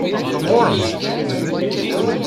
Ɣur-m!